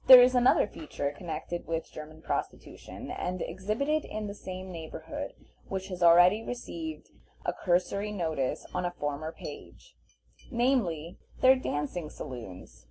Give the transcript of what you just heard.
There is another feature connected with German prostitution, and exhibited in the same neighborhood, which has already received a cursory notice on a former page, namely, their dancing saloons.